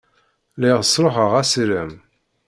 Lliɣ sṛuḥeɣ assirem.